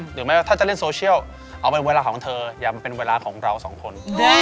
แม้ว่าถ้าจะเล่นโซเชียลเอาเป็นเวลาของเธออย่ามาเป็นเวลาของเราสองคน